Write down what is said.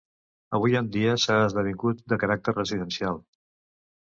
Avui en dia s’ha esdevingut de caràcter residencial.